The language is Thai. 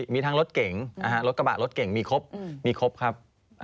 มีทั้งรถเก๋งรถกระบะรถเก่งมีครบมีครบครับ